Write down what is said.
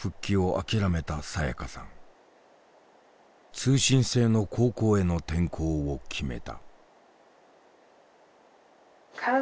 通信制の高校への転校を決めた。